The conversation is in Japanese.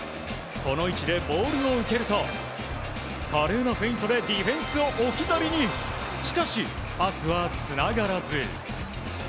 この位置でボールを受けると華麗なフェイントでディフェンスを置きざりにしかし、パスはつながらず。